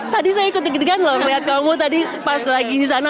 tadi saya ikut digedegan loh melihat kamu tadi pas lagi di sana